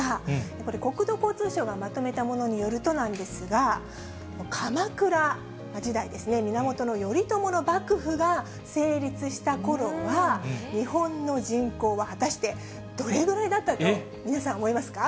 これ、国土交通省がまとめたものによるとなんですが、鎌倉時代ですね、源頼朝の幕府が成立したころは、日本の人口は果たしてどれぐらいだったと、皆さん思いますか。